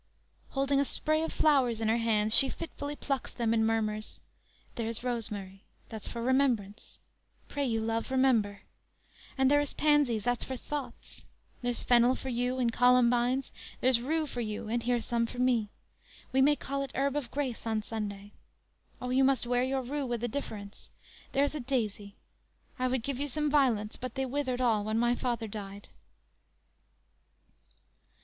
"_ Holding a spray of flowers in her hands she fitfully plucks them and murmurs: _"There's rosemary, that's for remembrance; Pray you, love, remember; And there is pansies, that's for thoughts; There's fennel for you, and columbines; There's rue for you, and here's some for me; We may call it herb of grace on Sunday; O, you must wear your rue with a difference. There's a daisy; I would give you some violets But they withered all when my father died!"